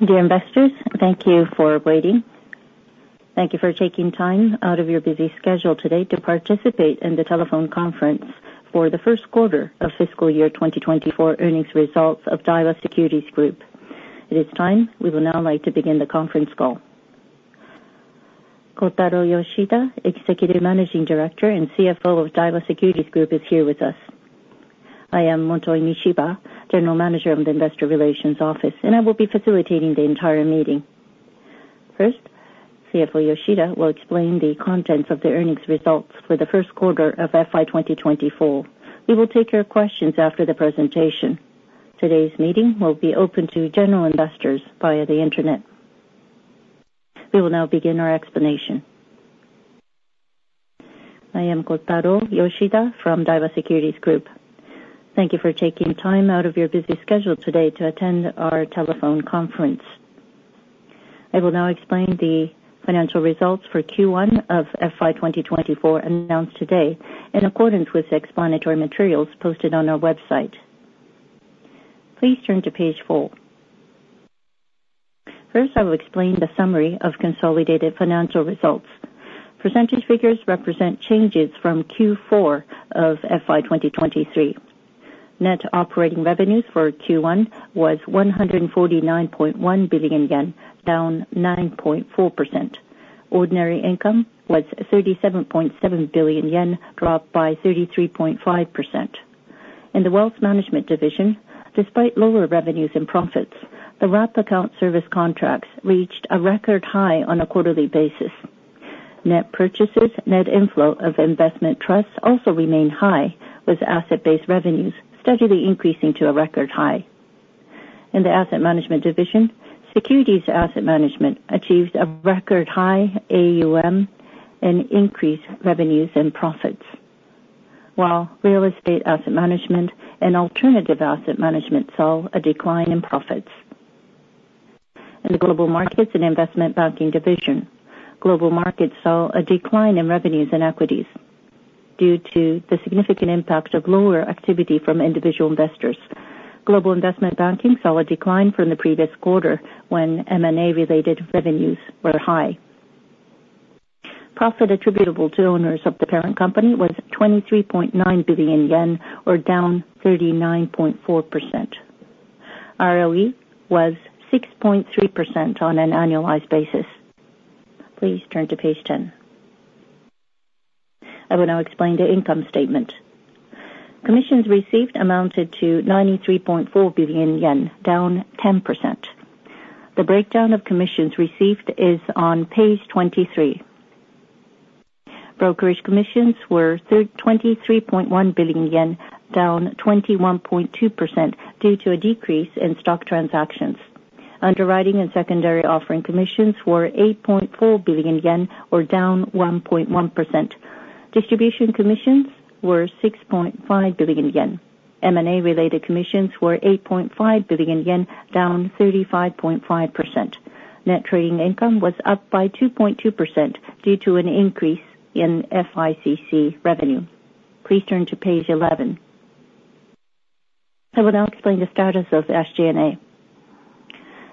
Dear investors, thank you for waiting. Thank you for taking time out of your busy schedule today to participate in the telephone conference for the first quarter of fiscal year 2024 earnings results of Daiwa Securities Group. It is time. We would now like to begin the conference call. Kotaro Yoshida, Executive Managing Director and CFO of Daiwa Securities Group, is here with us. I am Motoi Mishiba, General Manager of the Investor Relations Office, and I will be facilitating the entire meeting. First, CFO Yoshida will explain the contents of the earnings results for the first quarter of FY 2024. We will take your questions after the presentation. Today's meeting will be open to general investors via the Internet. We will now begin our explanation. I am Kotaro Yoshida from Daiwa Securities Group. Thank you for taking time out of your busy schedule today to attend our telephone conference. I will now explain the financial results for Q1 of FY 2024 announced today, in accordance with the explanatory materials posted on our website. Please turn to page 4. First, I will explain the summary of consolidated financial results. Percentage figures represent changes from Q4 of FY 2023. Net operating revenues for Q1 was 149.1 billion yen, down 9.4%. Ordinary income was 37.7 billion yen, dropped by 33.5%. In the wealth management division, despite lower revenues and profits, the Wrap Account Service contracts reached a record high on a quarterly basis. Net purchases, net inflow of investment trusts also remained high, with asset-based revenues steadily increasing to a record high. In the asset management division, securities asset management achieved a record high AUM and increased revenues and profits, while real estate asset management and alternative asset management saw a decline in profits. In the Global Markets and Investment Banking Division, global markets saw a decline in revenues and equities due to the significant impact of lower activity from individual investors. Global Investment Banking saw a decline from the previous quarter, when M&A-related revenues were high. Profit attributable to owners of the parent company was 23.9 billion yen, or down 39.4%. ROE was 6.3% on an annualized basis. Please turn to page 10. I will now explain the income statement. Commissions received amounted to 93.4 billion yen, down 10%. The breakdown of commissions received is on page 23. Brokerage commissions were twenty-three point one billion yen, down 21.2%, due to a decrease in stock transactions. Underwriting and secondary offering commissions were 8.4 billion yen, or down 1.1%. Distribution commissions were 6.5 billion yen. M&A-related commissions were 8.5 billion yen, down 35.5%. Net trading income was up by 2.2% due to an increase in FICC revenue. Please turn to page 11. I will now explain the status of SG&A.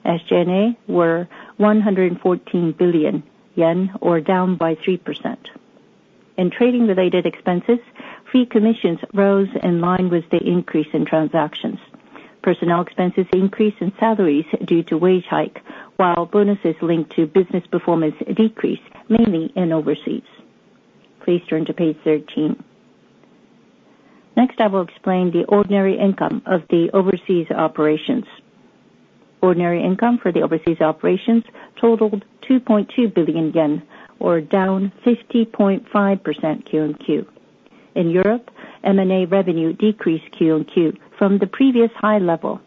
SG&A were 114 billion yen, or down by 3%. In trading-related expenses, fee commissions rose in line with the increase in transactions. Personnel expenses increased in salaries due to wage hike, while bonuses linked to business performance decreased, mainly in overseas. Please turn to page 13. Next, I will explain the ordinary income of the overseas operations. Ordinary income for the overseas operations totaled 2.2 billion yen, or down 50.5% Q-o-Q. In Europe, M&A revenue decreased Q-o-Q from the previous high level,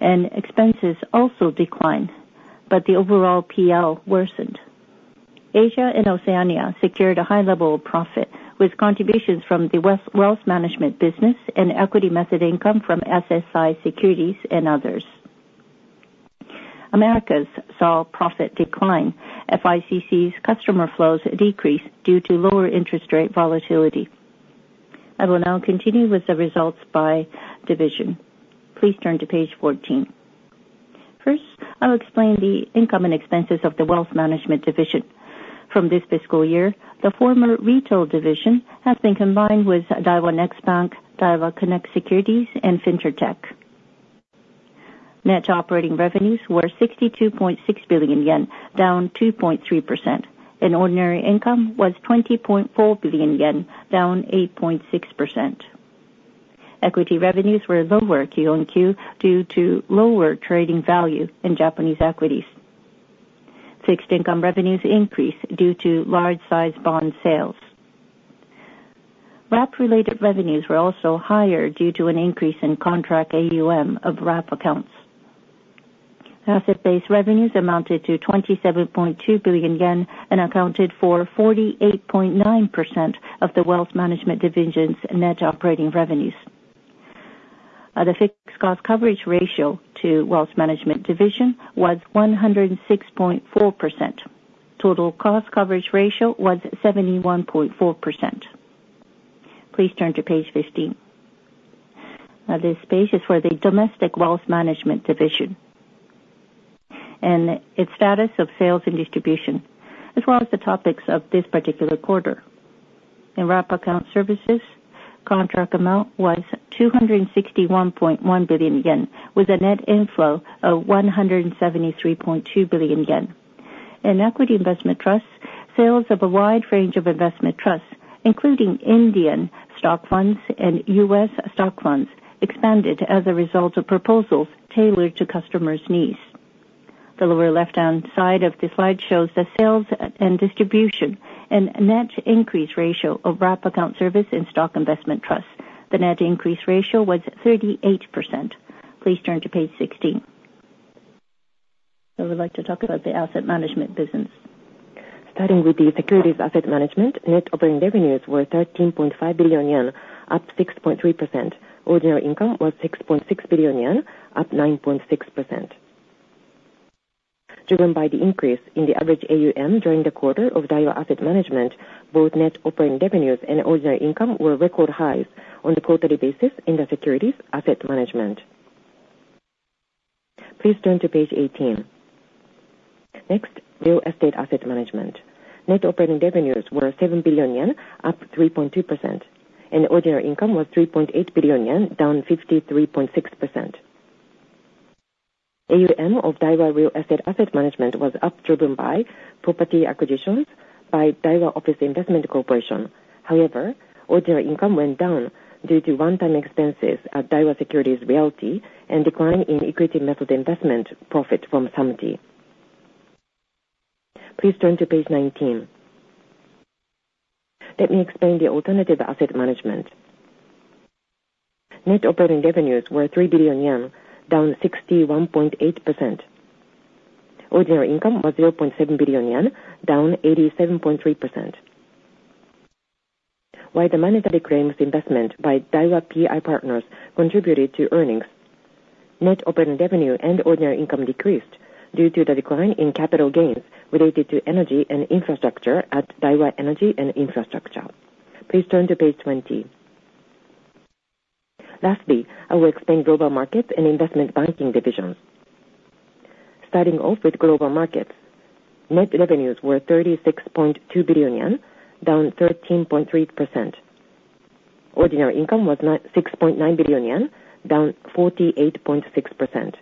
and expenses also declined, but the overall PL worsened. Asia and Oceania secured a high level of profit, with contributions from the wealth management business and equity method income from SSI Securities and others. Americas saw profit decline. FICC's customer flows decreased due to lower interest rate volatility. I will now continue with the results by division. Please turn to page 14. First, I'll explain the income and expenses of the wealth management division. From this fiscal year, the former retail division has been combined with Daiwa Next Bank, Daiwa Connect Securities, and FinTech. Net operating revenues were 62.6 billion yen, down 2.3%, and ordinary income was 20.4 billion yen, down 8.6%. Equity revenues were lower quarter-over-quarter due to lower trading value in Japanese equities. Fixed income revenues increased due to large-size bond sales. Wrap-related revenues were also higher due to an increase in contract AUM of wrap accounts. Asset-based revenues amounted to 27.2 billion yen and accounted for 48.9% of the wealth management division's net operating revenues. The fixed cost coverage ratio for the wealth management division was 106.4%. Total cost coverage ratio was 71.4%. Please turn to page 15. Now, this page is for the Domestic Wealth Management division and its status of sales and distribution, as well as the topics of this particular quarter. In Wrap Account Services, contract amount was 261.1 billion yen, with a net inflow of 173.2 billion yen. In Equity Investment Trusts, sales of a wide range of investment trusts, including Indian Stock Funds and US Stock Funds, expanded as a result of proposals tailored to customers' needs. The lower left-hand side of the slide shows the sales and distribution and net increase ratio of Wrap Account Service and Stock Investment Trusts. The net increase ratio was 38%. Please turn to page 16. I would like to talk about the asset management business. Starting with the securities asset management, net operating revenues were 13.5 billion yen, up 6.3%. Ordinary income was 6.6 billion yen, up 9.6%. Driven by the increase in the average AUM during the quarter of Daiwa Asset Management, both net operating revenues and ordinary income were record highs on a quarterly basis in the securities asset management. Please turn to page 18. Next, Real Estate Asset Management. Net operating revenues were 7 billion yen, up 3.2%, and ordinary income was 3.8 billion yen, down 53.6%. AUM of Daiwa Real Estate Asset Management was up, driven by property acquisitions by Daiwa Office Investment Corporation. However, ordinary income went down due to one-time expenses at Daiwa Securities Realty and decline in equity method investment profit from Samty. Please turn to page 19. Let me explain the alternative asset management. Net operating revenues were 3 billion yen, down 61.8%. Ordinary income was 0.7 billion yen, down 87.3%. While the monetary claims investment by Daiwa PI Partners contributed to earnings, net operating revenue and ordinary income decreased due to the decline in capital gains related to energy and infrastructure at Daiwa Energy & Infrastructure. Please turn to page 20. Lastly, I will explain Global Markets and Investment Banking divisions. Starting off with Global Markets, net revenues were 36.2 billion yen, down 13.3%. Ordinary income was negative 6.9 billion yen, down 48.6%.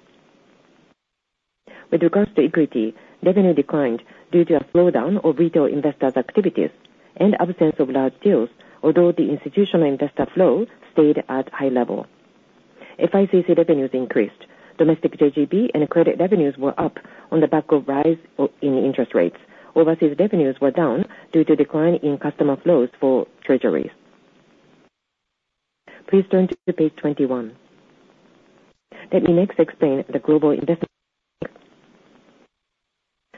With regards to equity, revenue declined due to a slowdown of retail investors' activities and absence of large deals, although the institutional investor flow stayed at high level. FICC revenues increased. Domestic JGB and credit revenues were up on the back of rise in interest rates. Overseas revenues were down due to decline in customer flows for treasuries. Please turn to page 21. Let me next explain the global investment.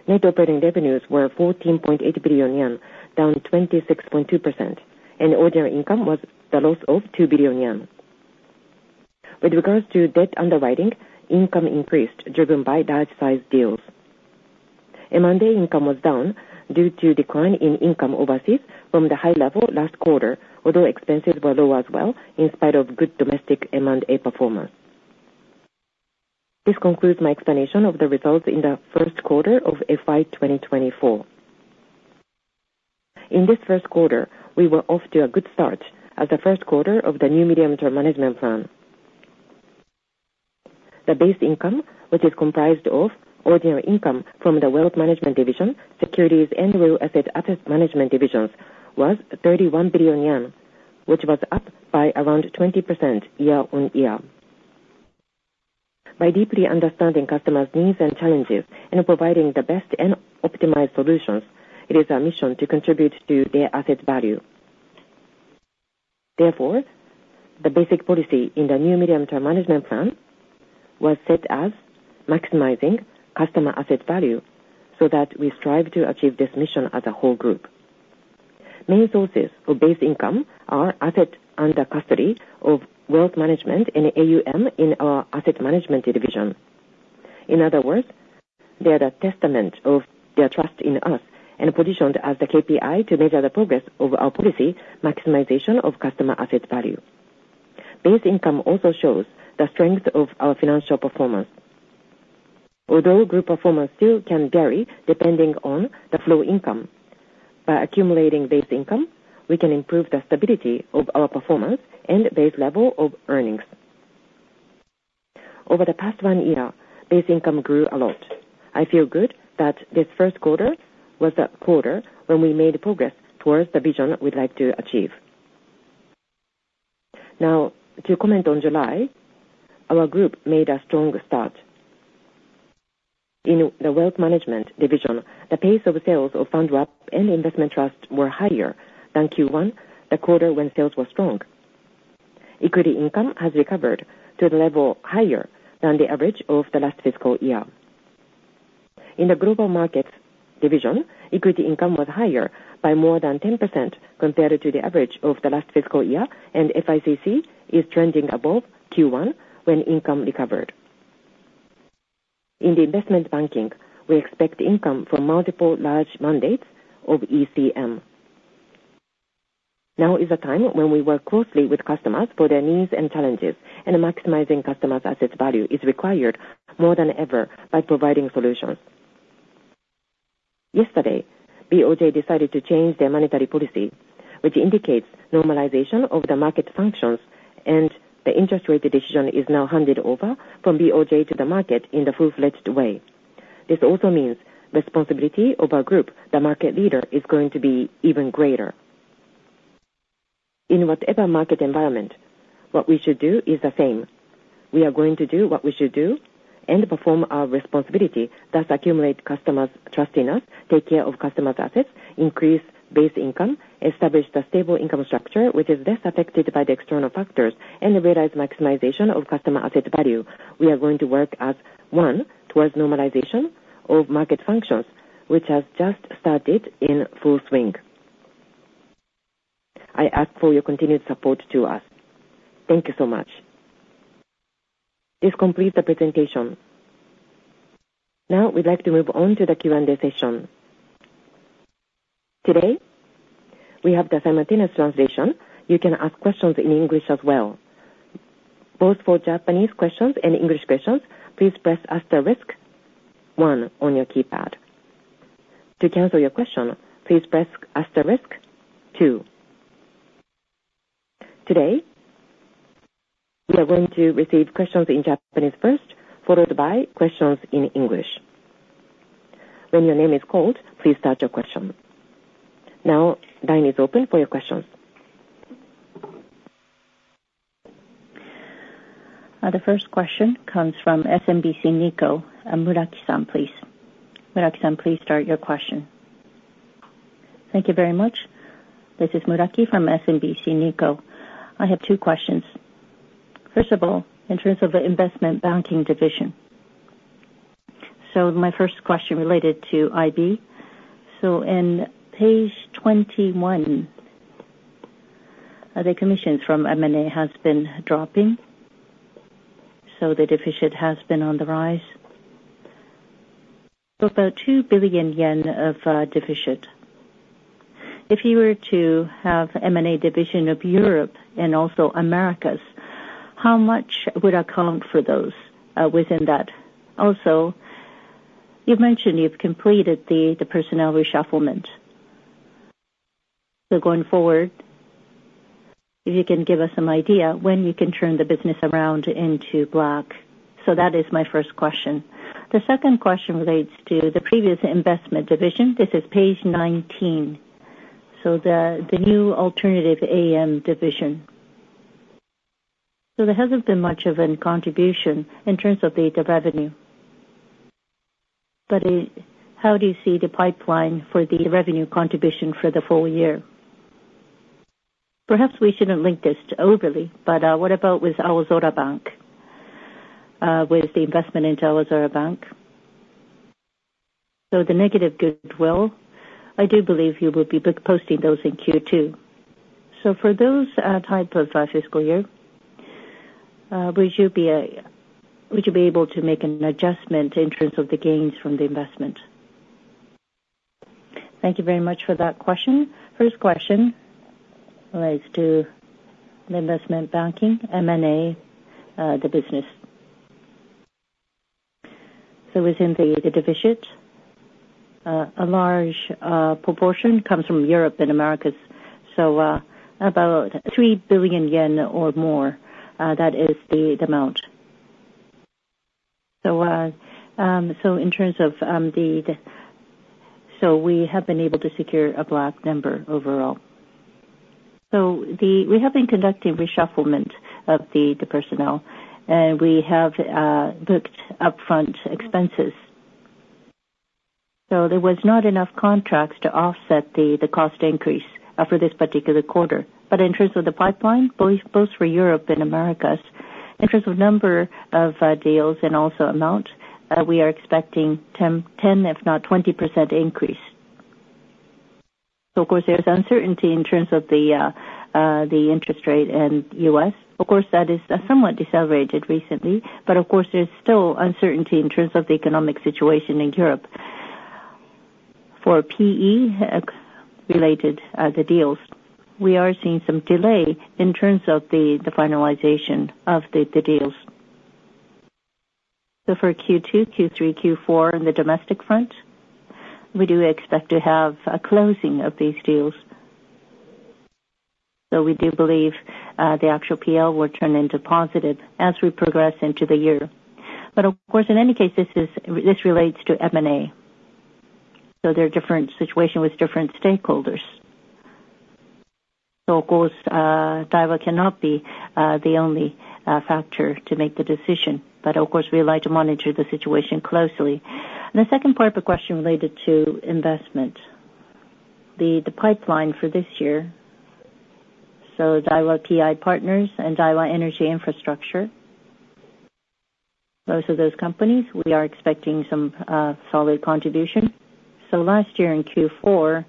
Net operating revenues were 14.8 billion yen, down 26.2%, and ordinary income was the loss of 2 billion yen. With regards to debt underwriting, income increased, driven by large size deals. M&A income was down due to decline in income overseas from the high level last quarter, although expenses were low as well, in spite of good domestic M&A performance. This concludes my explanation of the results in the first quarter of FY2024. In this first quarter, we were off to a good start as the first quarter of the new medium-term management plan. The base income, which is comprised of ordinary income from the Wealth Management Division, Securities, and Real Estate Asset Management divisions, was 31 billion yen, which was up by around 20% year-on-year. By deeply understanding customers' needs and challenges and providing the best and optimized solutions, it is our mission to contribute to their asset value. Therefore, the basic policy in the new medium-term management plan was set as maximizing customer asset value, so that we strive to achieve this mission as a whole group. Main sources for base income are assets under custody of wealth management and AUM in our asset management division. In other words, they are the testament of their trust in us and positioned as the KPI to measure the progress of our policy, maximization of customer asset value. Base income also shows the strength of our financial performance. Although group performance still can vary depending on the flow income, by accumulating base income, we can improve the stability of our performance and base level of earnings. Over the past one year, base income grew a lot. I feel good that this first quarter was a quarter when we made progress towards the vision we'd like to achieve. Now, to comment on July, our group made a strong start. In the Wealth Management division, the pace of sales of fund wrap and investment trusts were higher than Q1, the quarter when sales were strong. Equity income has recovered to the level higher than the average of the last fiscal year. In the Global Markets division, equity income was higher by more than 10% compared to the average of the last fiscal year, and FICC is trending above Q1, when income recovered.... In the investment banking, we expect income from multiple large mandates of ECM. Now is a time when we work closely with customers for their needs and challenges, and maximizing customers' asset value is required more than ever by providing solutions. Yesterday, BOJ decided to change their monetary policy, which indicates normalization of the market functions, and the interest rate decision is now handed over from BOJ to the market in the full-fledged way. This also means responsibility of our group, the market leader, is going to be even greater. In whatever market environment, what we should do is the same. We are going to do what we should do and perform our responsibility, thus accumulate customers' trust in us, take care of customers' assets, increase base income, establish the stable income structure, which is less affected by the external factors, and realize maximization of customer asset value. We are going to work as one towards normalization of market functions, which has just started in full swing. I ask for your continued support to us. Thank you so much. This completes the presentation. Now, we'd like to move on to the Q&A session. Today, we have the simultaneous translation. You can ask questions in English as well. Both for Japanese questions and English questions, please press asterisk one on your keypad. To cancel your question, please press asterisk two. Today, we are going to receive questions in Japanese first, followed by questions in English. When your name is called, please start your question. Now, line is open for your questions. The first question comes from SMBC Nikko, and Muraki-san, please. Muraki-san, please start your question. Thank you very much. This is Muraki from SMBC Nikko. I have two questions. First of all, in terms of the investment banking division, so my first question related to IB. So in page 21, the commissions from M&A has been dropping, so the deficit has been on the rise. So about 2 billion yen of deficit. If you were to have M&A division of Europe and also Americas, how much would account for those within that? Also, you've mentioned you've completed the personnel reshuffle. So going forward, if you can give us some idea when you can turn the business around into black. So that is my first question. The second question relates to the previous investment division. This is page 19, so the new alternative AM division. So there hasn't been much of a contribution in terms of the revenue, but how do you see the pipeline for the revenue contribution for the full year? Perhaps we shouldn't link this to overly, but what about with Aozora Bank, with the investment into Aozora Bank? So the negative goodwill, I do believe you will be book-posting those in Q2. So for those, tied per fiscal year, would you be able to make an adjustment in terms of the gains from the investment? Thank you very much for that question. First question relates to the investment banking, M&A, the business. So within the deficit, a large proportion comes from Europe and Americas, so, about 3 billion yen or more, that is the amount. So in terms of, so we have been able to secure a black number overall. So we have been conducting reshufflement of the personnel, and we have booked upfront expenses. So there was not enough contracts to offset the cost increase for this particular quarter. But in terms of the pipeline, both for Europe and Americas, in terms of number of deals and also amount, we are expecting 10, if not 20% increase. So of course, there's uncertainty in terms of the interest rate in the U.S. Of course, that is somewhat decelerated recently, but of course, there's still uncertainty in terms of the economic situation in Europe. For PE related deals, we are seeing some delay in terms of the finalization of the deals. So for Q2, Q3, Q4 in the domestic front, we do expect to have a closing of these deals. So we do believe the actual PL will turn into positive as we progress into the year. But of course, in any case, this is, this relates to M&A, so there are different situation with different stakeholders. So of course, Daiwa cannot be the only factor to make the decision, but of course, we like to monitor the situation closely. The second part of the question related to investment. The pipeline for this year, so Daiwa PI Partners and Daiwa Energy & Infrastructure, most of those companies, we are expecting some solid contribution. So last year in Q4,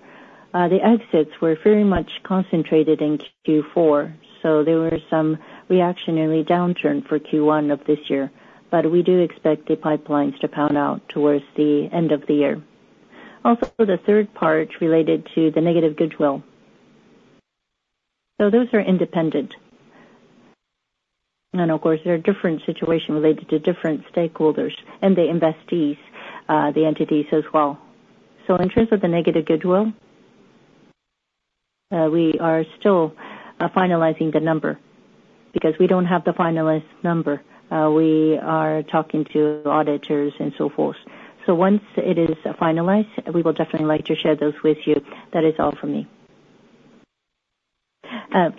the exits were very much concentrated in Q4, so there were some reactionary downturn for Q1 of this year. But we do expect the pipelines to pan out towards the end of the year. Also, the third part related to the negative goodwill. So those are independent, and of course, there are different situation related to different stakeholders and the investees, the entities as well. So in terms of the negative goodwill, we are still finalizing the number, because we don't have the finalized number. We are talking to auditors and so forth. So once it is finalized, we will definitely like to share those with you. That is all for me.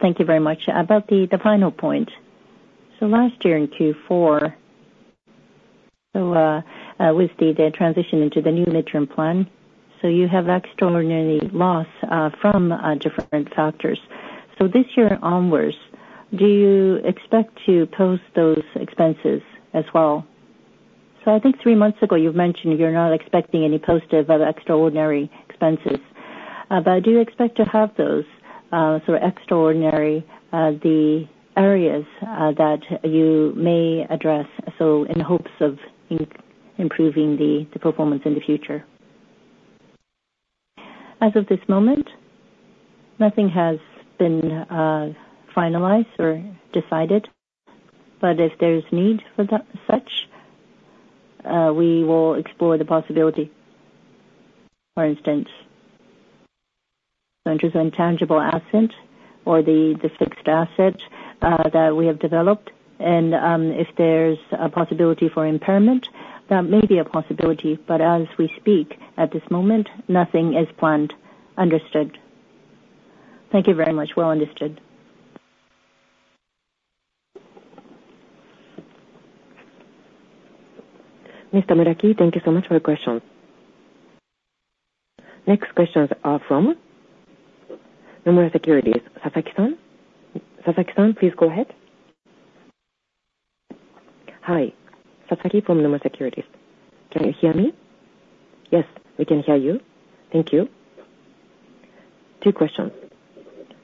Thank you very much. About the final point, so last year in Q4, with the transition into the new midterm plan, so you have extraordinary loss from different factors. So this year onwards, do you expect to post those expenses as well? So I think three months ago, you've mentioned you're not expecting any post of extraordinary expenses, but do you expect to have those sort of extraordinary areas that you may address, so in hopes of improving the performance in the future? As of this moment, nothing has been finalized or decided, but if there's need for that such, we will explore the possibility. For instance, interest in tangible asset or the, the fixed asset that we have developed, and if there's a possibility for impairment, that may be a possibility. But as we speak, at this moment, nothing is planned. Understood. Thank you very much. Well understood. Mr. Muraki, thank you so much for your question. Next questions are from Nomura Securities, Sasaki-san. Sasaki-san, please go ahead. Hi. Sasaki from Nomura Securities. Can you hear me? Yes, we can hear you. Thank you. Two questions.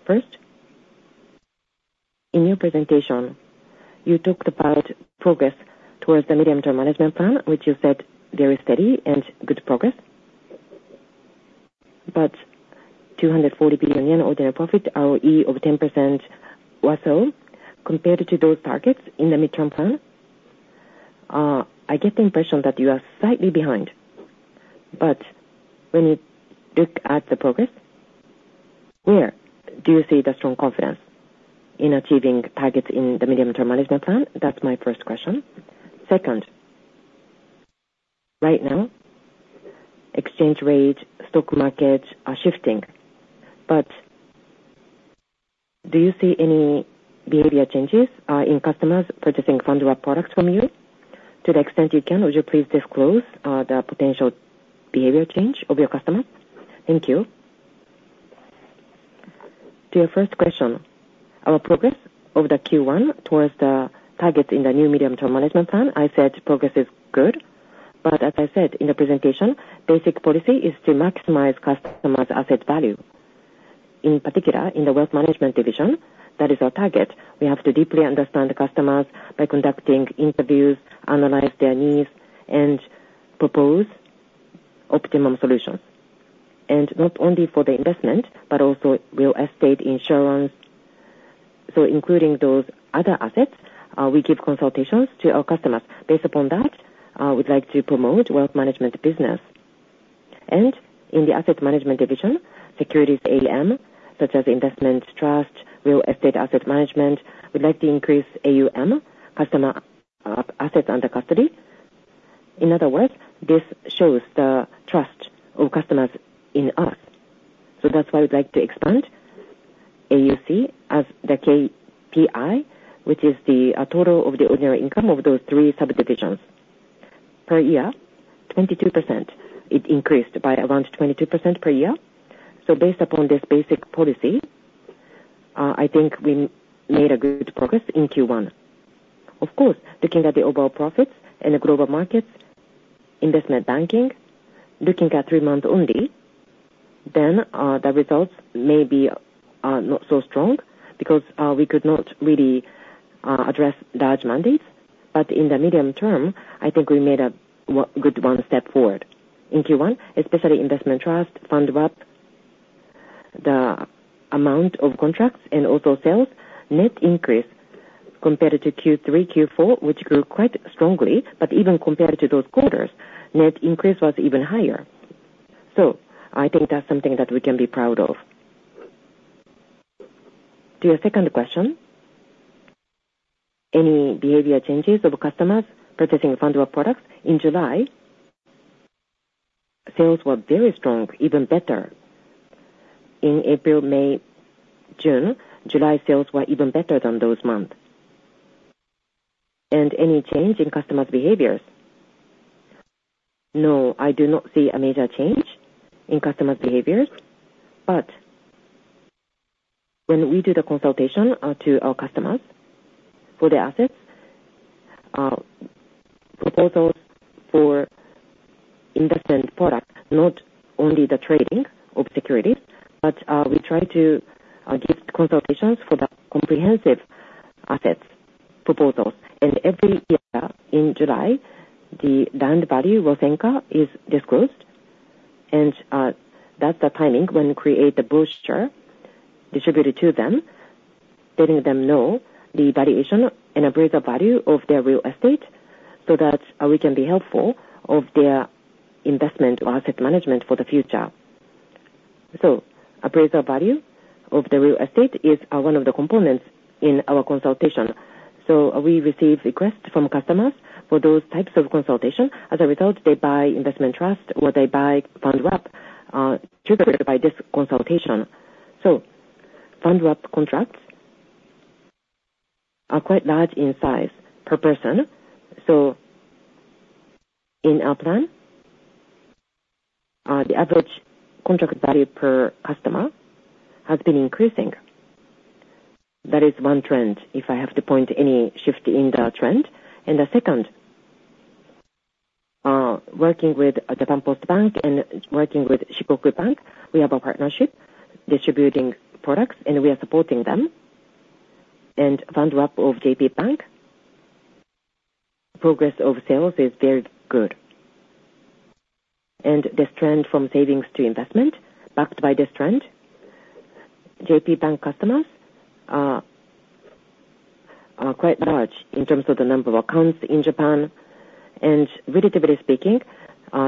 First, in your presentation, you talked about progress towards the medium-term management plan, which you said very steady and good progress. But 240 billion yen ordinary profit, ROE of 10% or so, compared to those targets in the medium-term management plan, I get the impression that you are slightly behind. But when you look at the progress, where do you see the strong confidence in achieving targets in the medium-term management plan? That's my first question. Second, right now, exchange rate, stock markets are shifting, but do you see any behavior changes in customers purchasing fund wrap products from you? To the extent you can, would you please disclose the potential behavior change of your customers? Thank you. To your first question, our progress over the Q1 towards the target in the new Medium-Term Management Plan, I said progress is good, but as I said in the presentation, basic policy is to maximize customers' asset value. In particular, in the wealth management division, that is our target. We have to deeply understand the customers by conducting interviews, analyze their needs, and propose optimum solutions. And not only for the investment, but also real estate insurance. So including those other assets, we give consultations to our customers. Based upon that, we'd like to promote wealth management business. And in the asset management division, securities AUM, such as investment trust, real estate asset management, we'd like to increase AUM, customer assets under custody. In other words, this shows the trust of customers in us. So that's why we'd like to expand AUC as the KPI, which is the total of the ordinary income of those three subdivisions. Per year, 22%, it increased by around 22% per year. So based upon this basic policy, I think we made a good progress in Q1. Of course, looking at the overall profits and the global markets, investment banking, looking at three months only, then the results may be not so strong because we could not really address large mandates. But in the medium term, I think we made a good one step forward. In Q1, especially investment trust, fund wrap, the amount of contracts and also sales, net increase compared to Q3, Q4, which grew quite strongly, but even compared to those quarters, net increase was even higher. So I think that's something that we can be proud of. To your second question, any behavior changes of customers purchasing fund wrap products? In July, sales were very strong, even better. In April, May, June, July sales were even better than those months. And any change in customers' behaviors? No, I do not see a major change in customers' behaviors, but when we do the consultation, to our customers for their assets, proposals for investment products, not only the trading of securities, but, we try to adjust consultations for the comprehensive assets proposals. And every year in July, the land value, Nosenka, is disclosed, and, that's the timing when we create the brochure distributed to them, letting them know the valuation and appraise the value of their real estate, so that, we can be helpful of their investment or asset management for the future. Appraiser value of the real estate is one of the components in our consultation. We receive requests from customers for those types of consultation. As a result, they buy investment trust or they buy Fund Wrap, triggered by this consultation. Fund Wrap contracts are quite large in size per person. In our plan, the average contract value per customer has been increasing. That is one trend, if I have to point any shift in the trend. The second, working with Japan Post Bank and working with Shikoku Bank, we have a partnership distributing products, and we are supporting them. Fund Wrap of JP Bank, progress of sales is very good. And this trend from savings to investment, backed by this trend, JP Bank customers are quite large in terms of the number of accounts in Japan, and relatively speaking,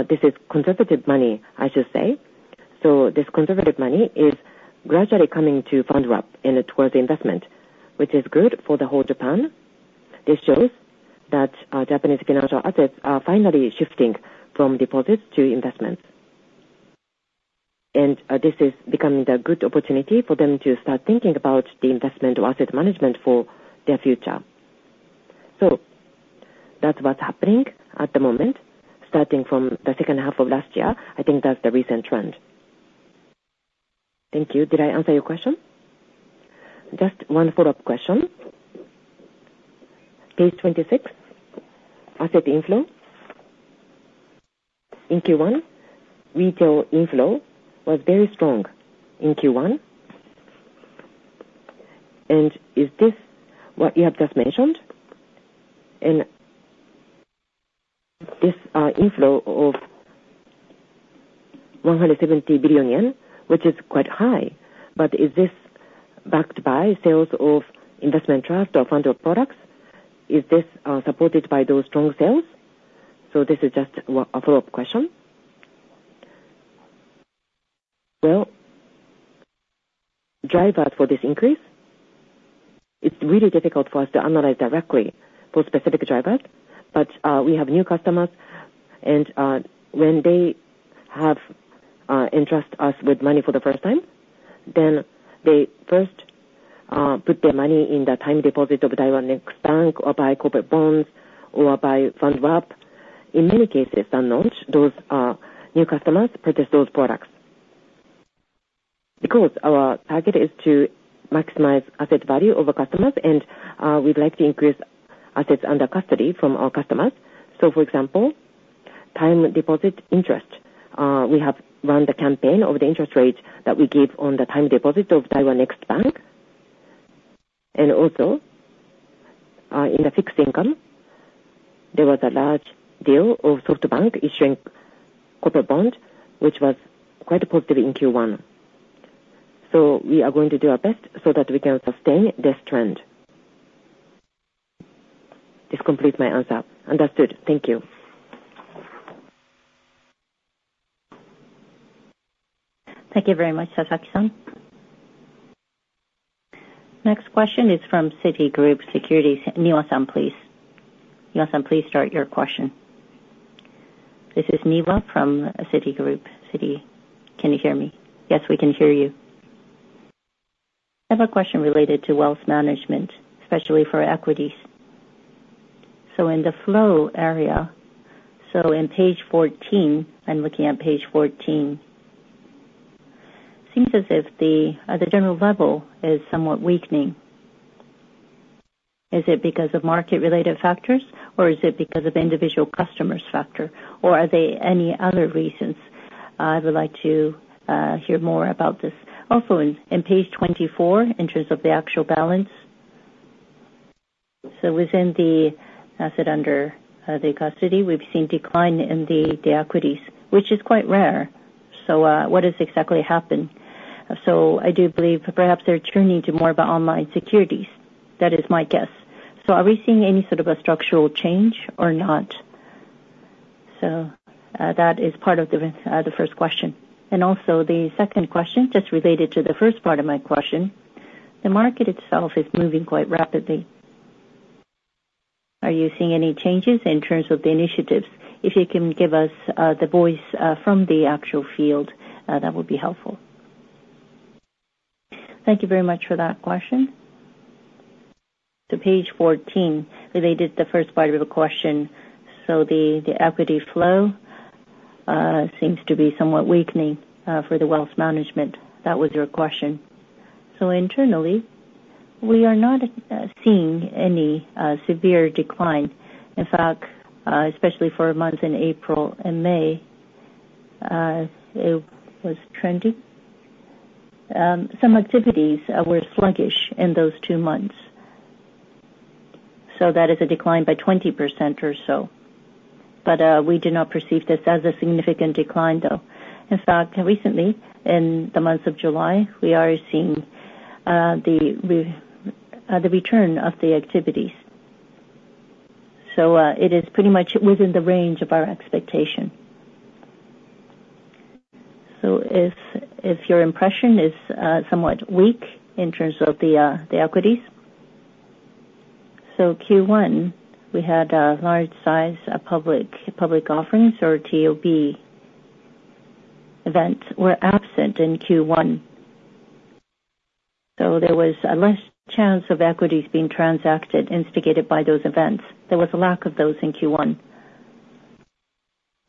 this is conservative money, I should say. So this conservative money is gradually coming to fund wrap and towards investment, which is good for the whole Japan. This shows that Japanese financial assets are finally shifting from deposits to investments. And this is becoming a good opportunity for them to start thinking about the investment or asset management for their future. So that's what's happening at the moment, starting from the second half of last year. I think that's the recent trend. Thank you. Did I answer your question? Just one follow-up question. Page 26, asset inflow. In Q1, retail inflow was very strong in Q1, and is this what you have just mentioned? And this, inflow of 170 billion yen, which is quite high, but is this backed by sales of investment trust or fund wrap products? Is this supported by those strong sales? So this is just a follow-up question. Well, drivers for this increase, it's really difficult for us to analyze directly for specific drivers. But, we have new customers, and, when they entrust us with money for the first time, then they first put their money in the time deposit of Daiwa Next Bank or buy corporate bonds or buy fund wrap. In many cases, you know, those new customers purchase those products. Because our target is to maximize asset value of our customers, and, we'd like to increase assets under custody from our customers. So, for example, time deposit interest, we have run the campaign of the interest rate that we give on the time deposit of Daiwa Next Bank. And also, in the fixed income, there was a large deal of SoftBank issuing corporate bond, which was quite positive in Q1. We are going to do our best so that we can sustain this trend. This completes my answer. Understood. Thank you. Thank you very much, Sasaki-san. Next question is from Citigroup Securities. Niwa-san, please. Niwa-san, please start your question. This is Niwa from Citigroup, Citi. Can you hear me? Yes, we can hear you. I have a question related to wealth management, especially for equities. So in the flow area, so in page 14, I'm looking at page 14. It seems as if the general level is somewhat weakening. Is it because of market-related factors, or is it because of individual customers factor, or are there any other reasons? I would like to hear more about this. Also, in page 24, in terms of the actual balance, so within the asset under the custody, we've seen decline in the equities, which is quite rare. So, what has exactly happened? So I do believe perhaps they're turning to more of online securities. That is my guess. So are we seeing any sort of a structural change or not? So, that is part of the first question. And also, the second question, just related to the first part of my question, the market itself is moving quite rapidly. Are you seeing any changes in terms of the initiatives? If you can give us the voice from the actual field, that would be helpful. Thank you very much for that question.... So page fourteen, related to the first part of the question. So the equity flow seems to be somewhat weakening for the wealth management. That was your question. So internally, we are not seeing any severe decline. In fact, especially for months in April and May, it was trending. Some activities were sluggish in those 2 months. So that is a decline by 20% or so. But, we do not perceive this as a significant decline, though. In fact, recently, in the month of July, we are seeing the return of the activities. So, it is pretty much within the range of our expectation. So if your impression is somewhat weak in terms of the equities, so Q1, we had a large size public offerings or TOB events were absent in Q1. So there was a less chance of equities being transacted, instigated by those events. There was a lack of those in Q1.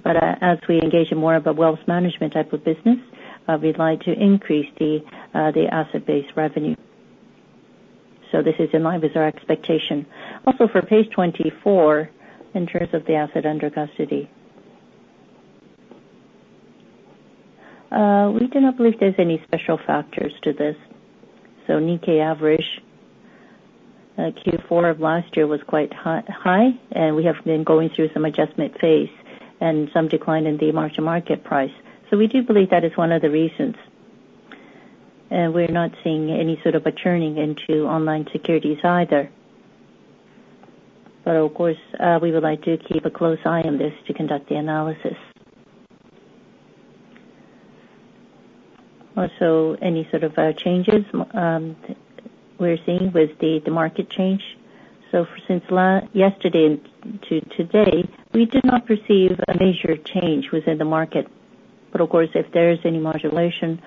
But, as we engage in more of a wealth management type of business, we'd like to increase the asset-based revenue. So this is in line with our expectation. Also, for page 24, in terms of the assets under custody. We do not believe there's any special factors to this. So Nikkei average, Q4 of last year was quite high, and we have been going through some adjustment phase and some decline in the emerging market price. So we do believe that is one of the reasons, and we're not seeing any sort of a turning into online securities either. But of course, we would like to keep a close eye on this to conduct the analysis. Also, any sort of changes we're seeing with the, the market change? So since yesterday to today, we do not perceive a major change within the market. But of course, if there is any modulation,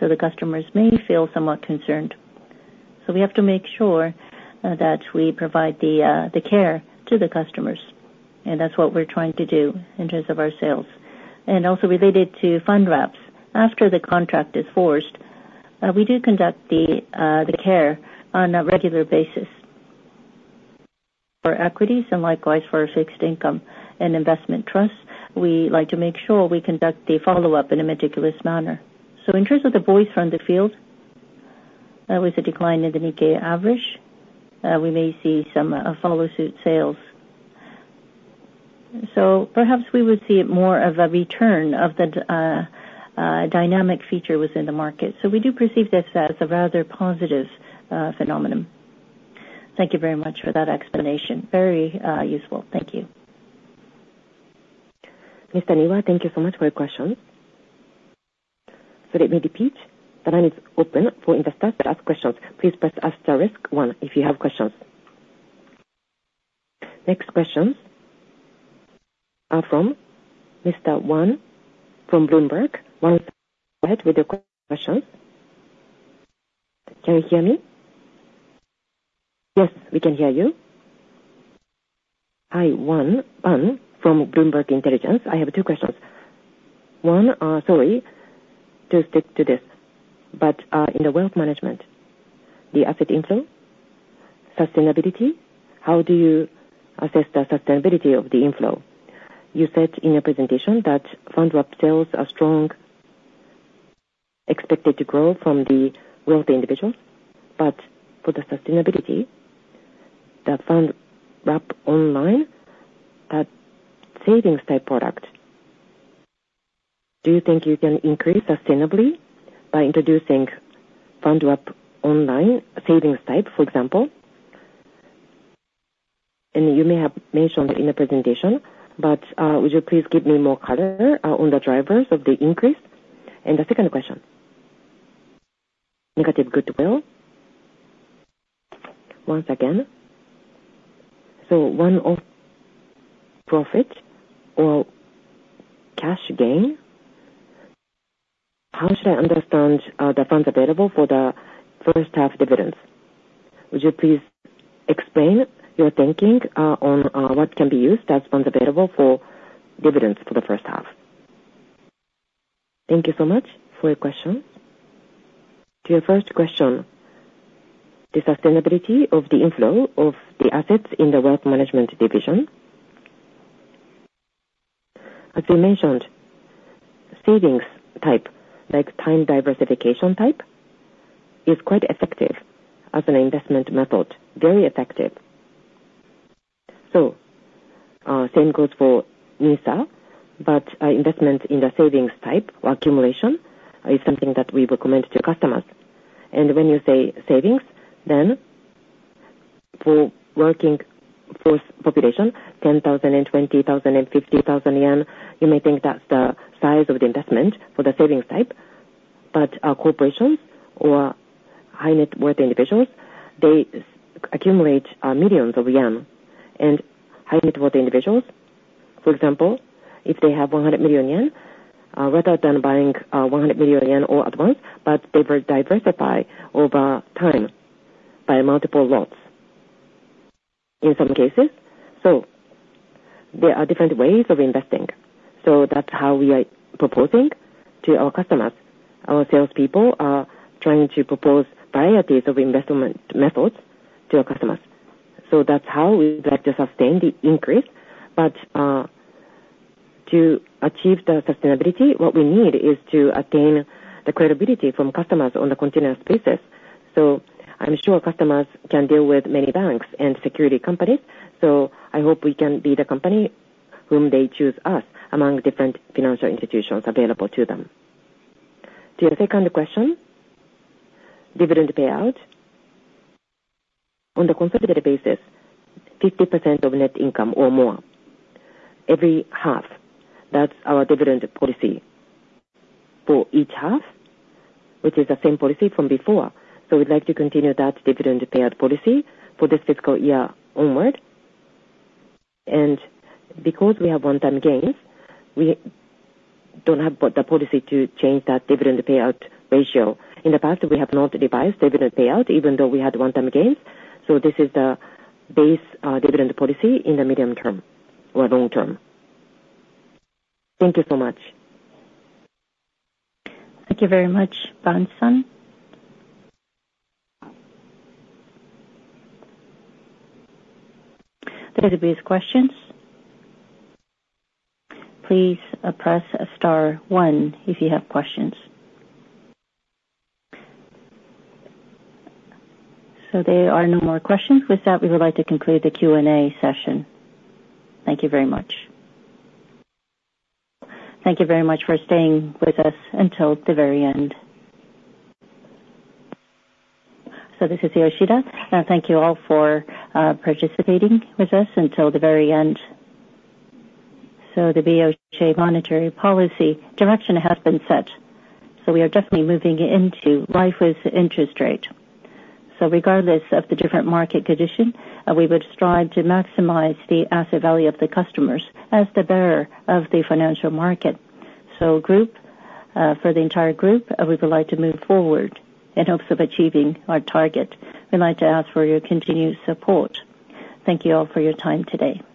so the customers may feel somewhat concerned. So we have to make sure that we provide the care to the customers, and that's what we're trying to do in terms of our sales. And also related to fund wraps, after the contract is forged, we do conduct the care on a regular basis. For equities, and likewise for fixed income and investment trusts, we like to make sure we conduct the follow-up in a meticulous manner. So in terms of the voice from the field, with the decline in the Nikkei average, we may see some follow suit sales. So perhaps we would see more of a return of the dynamic feature within the market. So we do perceive this as a rather positive phenomenon. Thank you very much for that explanation. Very useful. Thank you. Miss Tanawa, thank you so much for your question. So let me repeat, the line is open for investors to ask questions. Please press asterisk one if you have questions. Next questions are from Mr. Wang from Bloomberg. Wang, go ahead with your questions. Can you hear me? Yes, we can hear you. Hi, Pan Wang from Bloomberg Intelligence. I have two questions. One, sorry to stick to this, but, in the wealth management, the asset inflow, sustainability, how do you assess the sustainability of the inflow? You said in your presentation that fund wrap sales are strong, expected to grow from the wealthy individuals, but for the sustainability, the fund wrap online, a savings type product, do you think you can increase sustainably by introducing fund wrap online savings type, for example? You may have mentioned in the presentation, but would you please give me more color on the drivers of the increase? And the second question, Negative Goodwill. Once again, so one of profit or cash gain, how should I understand the funds available for the first half dividends? Would you please explain your thinking on what can be used as funds available for dividends for the first half? Thank you so much for your question. To your first question, the sustainability of the inflow of the assets in the wealth management division. As I mentioned, savings type, like time diversification type, is quite effective as an investment method, very effective. So, same goes for NISA, but investment in the savings type or accumulation is something that we recommend to customers. When you say savings, then for working force population, 10,000 and 20,000 and 50,000 yen, you may think that's the size of the investment for the savings type, but our corporations or high net worth individuals, they accumulate millions of yen and high net worth individuals. For example, if they have 100 million yen, rather than buying 100 million yen all at once, but they will diversify over time by multiple loans in some cases. So there are different ways of investing, so that's how we are proposing to our customers. Our salespeople are trying to propose varieties of investment methods to our customers. So that's how we would like to sustain the increase. But to achieve the sustainability, what we need is to attain the credibility from customers on a continuous basis. So I'm sure customers can deal with many banks and securities companies, so I hope we can be the company whom they choose us among different financial institutions available to them. To your second question, dividend payout. On the consolidated basis, 50% of net income or more every half. That's our dividend policy for each half, which is the same policy from before, so we'd like to continue that dividend payout policy for this fiscal year onward. And because we have one-time gains, we don't have the policy to change that dividend payout ratio. In the past, we have not revised dividend payout, even though we had one-time gains, so this is the base dividend policy in the medium term or long term. Thank you so much. Thank you very much, Ban Sun. There are the basic questions. Please, press star one if you have questions. There are no more questions. With that, we would like to conclude the Q&A session. Thank you very much. Thank you very much for staying with us until the very end. So this is Yoshida, and thank you all for participating with us until the very end. The BOJ monetary policy direction has been set, so we are definitely moving into low interest rate. Regardless of the different market condition, we would strive to maximize the asset value of the customers as the bearer of the financial market. For the entire group, we would like to move forward in hopes of achieving our target. We'd like to ask for your continued support. Thank you all for your time today.